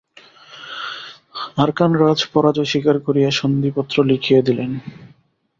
আরাকানরাজ পরাজয় স্বীকার করিয়া সন্ধিপত্র লিখিয়া দিলেন।